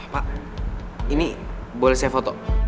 pak ini boleh saya foto